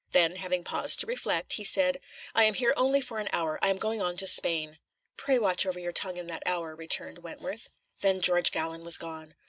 Then, having paused to reflect, he said: "I am here only for an hour. I'm going on to Spain." "Pray watch over your tongue in that hour," returned Wentworth. Then George Gallon was gone.